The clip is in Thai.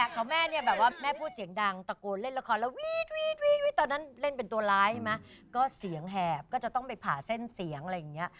เขาแม่เนี่ยแบบว่าแม่พูดเสียงดังตะโกนเล่นละครแล้ววีดตอนนั้นเล่นเป็นตัวร้ายใช่ไหมก็เสียงแหบก็จะต้องไปผ่าเส้นเสียงอะไรอย่างนี้